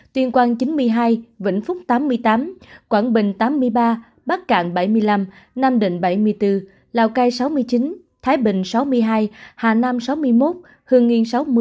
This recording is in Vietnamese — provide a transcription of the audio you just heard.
tuyên quang chín mươi hai vĩnh phúc tám mươi tám quảng bình tám mươi ba bắc cạn bảy mươi năm nam định bảy mươi bốn lào cai sáu mươi chín thái bình sáu mươi hai hà nam sáu mươi một hương nghiên sáu mươi